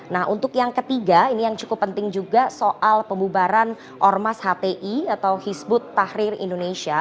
nah untuk yang ketiga ini yang cukup penting juga soal pembubaran ormas hti atau hizbut tahrir indonesia